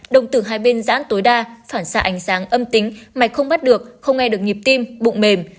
đồng tử hai bên giãn tối đa phản xạ ánh sáng âm tính mạch không bắt được không nghe được nhịp tim bụng mềm